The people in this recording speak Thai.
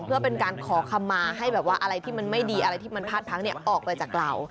เพื่อเป็นการขอคำมาให้แบบว่าอะไรที่มันไม่ดีอะไรที่มันพลาดพังออกไปจากเรา